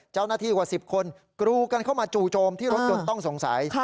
เจ้าหน้าที่กว่า๑๐คนกรูกันเข้ามาจู่โจมที่รถยนต์ต้องสงสัย